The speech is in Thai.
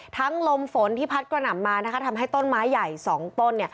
ลมฝนที่พัดกระหน่ำมาทำให้ต้นไม้ใหญ่๒ต้น